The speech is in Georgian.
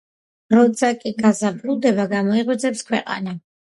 როცა კი გაზაფხულდება გამოიღვიძებს ქვეყანა